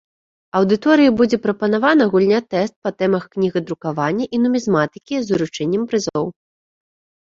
Аўдыторыі будзе прапанавана гульня-тэст па тэмах кнігадрукавання і нумізматыкі з уручэннем прызоў.